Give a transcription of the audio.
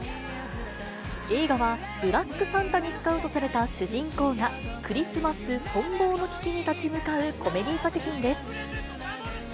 映画はブラックサンタにスカウトされた主人公が、クリスマス存亡の危機に立ち向かうコメディー作品です。